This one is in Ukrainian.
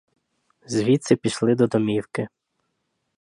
Звідси пішли до домівки.